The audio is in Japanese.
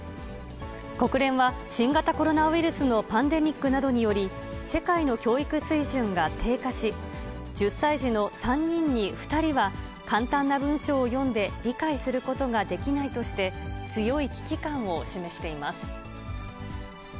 国連は新型コロナウイルスのパンデミックなどにより、世界の教育水準が低下し、１０歳児の３人に２人は、簡単な文章を読んで理解することができないとして、強い危機感を示しています。